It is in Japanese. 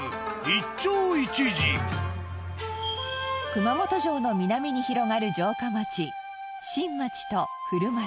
熊本城の南に広がる城下町新町と古町。